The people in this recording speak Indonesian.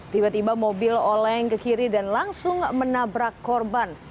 tiba tiba mobil oleng ke kiri dan langsung menabrak korban